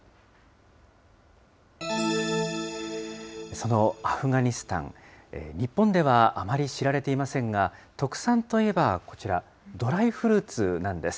そのアフガニスタン、日本ではあまり知られていませんが、特産といえばこちら、ドライフルーツなんです。